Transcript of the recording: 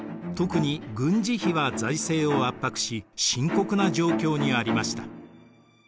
特に軍事費は財政を圧迫し深刻な状況にありました。